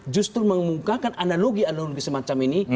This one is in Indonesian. justru mengemukakan analogi analogi semacam ini